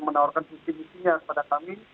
menawarkan visi misinya kepada kami